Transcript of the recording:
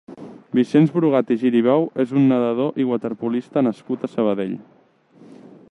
Vicenç Brugat i Giribau és un nedador i waterpolista nascut a Sabadell.